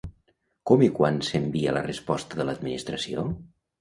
Com i quan s'envia la resposta de l'Administració?